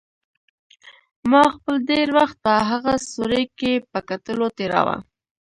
ما خپل ډېر وخت په هغه سوري کې په کتلو تېراوه.